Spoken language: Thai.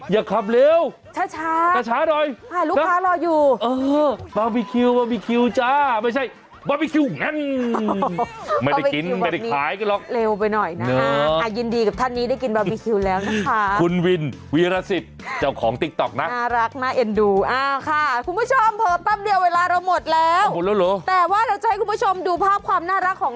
ยังไงล่ะไปทางแหล่งชุมชนยิ่งมอเตอร์ไซค์พวกข้าง